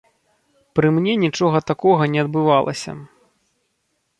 Пры мне нічога такога не адбывалася.